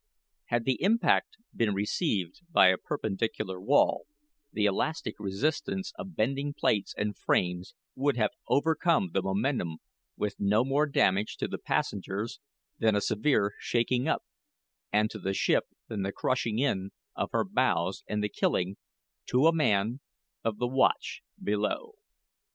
Had the impact been received by a perpendicular wall, the elastic resistance of bending plates and frames would have overcome the momentum with no more damage to the passengers than a severe shaking up, and to the ship than the crushing in of her bows and the killing, to a man, of the watch below.